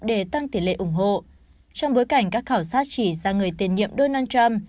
để tăng tỷ lệ ủng hộ trong bối cảnh các khảo sát chỉ ra người tiền nhiệm donald trump